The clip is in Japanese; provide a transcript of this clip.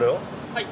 はい。